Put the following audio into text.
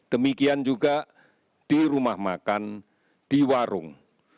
demikian juga di rumah makan di warung